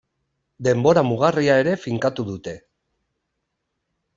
Denbora mugarria ere finkatu dute.